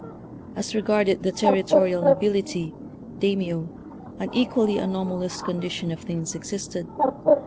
As regarded the territorial nobility (daimiyo), an equally anomalous condition of things existed.